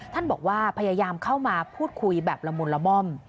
ท่านบอกว่าพยายามเข้ามาพูดคุยแบบละมุนละม่อม